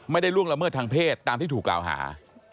ล่วงละเมิดทางเพศตามที่ถูกกล่าวหา